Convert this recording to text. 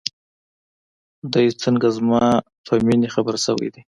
دى څنگه زما په مينې خبر سوى دى.